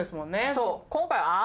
そう。